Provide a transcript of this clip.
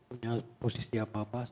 punya posisi apa apa